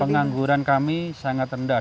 pengangguran kami sangat rendah